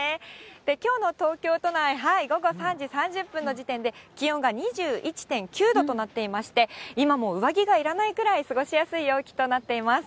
きょうの東京都内、午後３時３０分の時点で、気温が２１．９度となっていまして、今も上着がいらないくらい過ごしやすい陽気となっています。